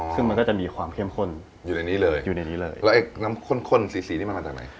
ซึ่งมันก็จะมีความเข้มข้นอยู่ในนี้เลยแล้วน้ำข้นสีนี่มันมาจากไหน